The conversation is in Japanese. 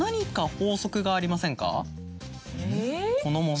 法則？